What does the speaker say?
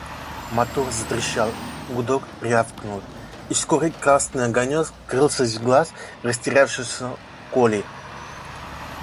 Мотор затрещал, гудок рявкнул, и вскоре красный огонек скрылся из глаз растерявшегося Коли.